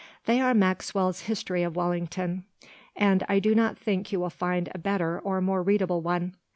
They are Maxwell's "History of Wellington," and I do not think you will find a better or more readable one.